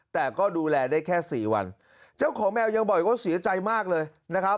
แต่ก็ดูแลได้แค่สี่วันเจ้าของแมวยังบอกว่าเสียใจมากเลยนะครับ